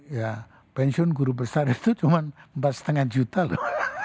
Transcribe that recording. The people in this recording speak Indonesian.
ya pensiun guru besar itu cuma empat lima juta loh